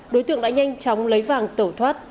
đối tượng đã nhanh chóng lấy vàng tẩu thoát